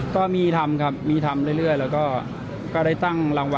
ที่กับทีลนามนาฏกรได้โน้ท